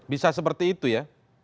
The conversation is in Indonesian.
bisa seperti itu ya